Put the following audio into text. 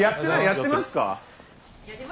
やってますか？